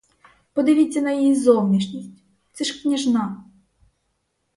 Ви подивіться на її зовнішність — це ж княжна!